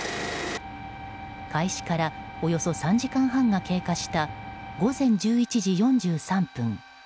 開始からおよそ３時間半が経過した午前１１時４３分。